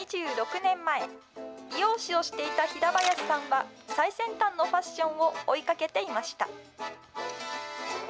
２６年前、美容師をしていた平林さんは、最先端のファッションを追いかけていました。